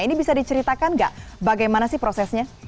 ini bisa diceritakan nggak bagaimana sih prosesnya